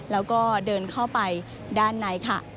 แล้วก็เดินเข้าไปด้านในค่ะ